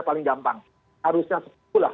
paling gampang harusnya sepuluh lah